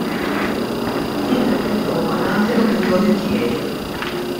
Jien qed nipprova nagħti l-opinjoni tiegħi.